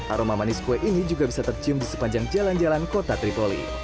aroma manis kue ini juga bisa tercium di sepanjang jalan jalan kota tripoli